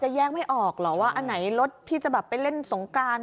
แยกไม่ออกหรอว่าอันไหนรถที่จะแบบไปเล่นสงกราน